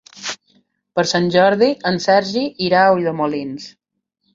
Per Sant Jordi en Sergi irà a Ulldemolins.